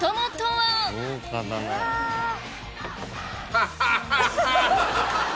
ハハハハ！